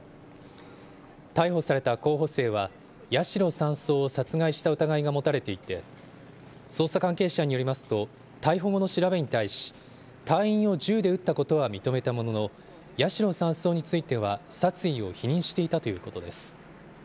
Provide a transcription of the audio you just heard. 逮捕された候補生は、八代３曹を殺害した疑いが持たれていて、捜査関係者によりますと、逮捕後の調べに対し、隊員を銃で撃ったことは認めたものの、八代３曹については、殺意を否認していたということです。